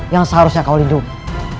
yang seharusnya kau lindungi